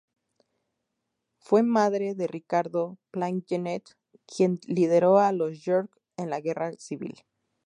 Fue madre de Ricardo Plantagenet, quien lideró a los York en la guerra civil.